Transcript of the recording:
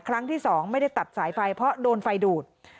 ครั้งที่๒ไม่ได้ตัดสายไฟเพราะโดนไฟดูด